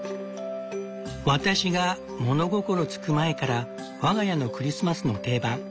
「私が物心つく前から我が家のクリスマスの定番。